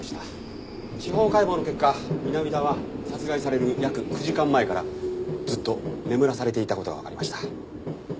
司法解剖の結果南田は殺害される約９時間前からずっと眠らされていた事がわかりました。